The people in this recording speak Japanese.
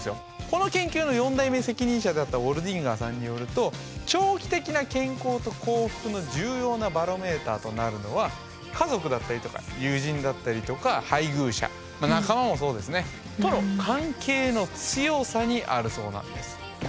この研究の４代目責任者であったウォールディンガーさんによると長期的な健康と幸福の重要なバロメーターとなるのは家族だったりとか友人だったりとか配偶者仲間もそうですねとの関係の強さにあるそうなんです。